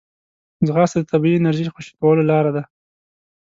ځغاسته د طبیعي انرژۍ خوشې کولو لاره ده